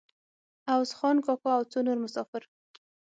عوض خان کاکا او څو نور مسافر.